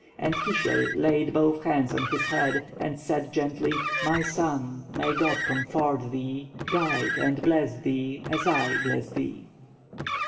And Kisiel laid both hands on his head, and said, gently: "My son, may God comfort thee, guide and bless thee, as I bless thee."